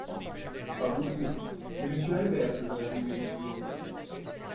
Pas, beaucoup ; c’est Monsieur Albert que j’aurais voulu épouser !